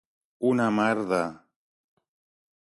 Una mar de.